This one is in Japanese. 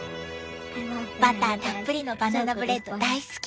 バターたっぷりのバナナブレッド大好き！